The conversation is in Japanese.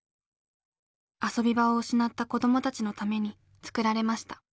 遊び場を失った子どもたちのために作られました。